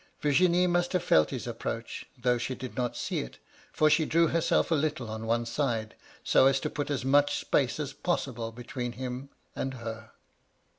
Virginie must have felt his approach, though she did not see it ; for she drew herself a little on one side, so as to put as much space as possible between him and her.